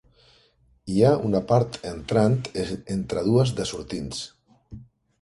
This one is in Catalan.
Hi ha una part entrant entre dues de sortints.